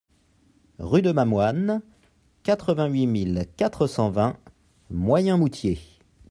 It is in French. Rue de Mamoine, quatre-vingt-huit mille quatre cent vingt Moyenmoutier